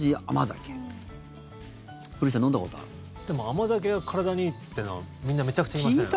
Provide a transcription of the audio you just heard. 甘酒が体にいいってのはみんなめちゃくちゃ言いません？